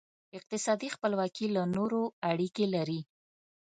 اقتصادي خپلواکي له نورو اړیکې لري.